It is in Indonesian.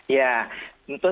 ya itu benar